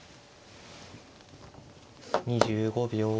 ２５秒。